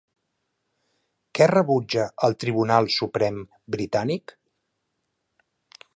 Què rebutja el Tribunal Suprem britànic?